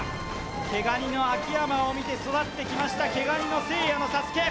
毛ガニの秋山を見て育ってきました、毛ガニのせいやのＳＡＳＵＫＥ